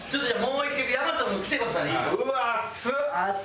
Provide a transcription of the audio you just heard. うわっ熱っ！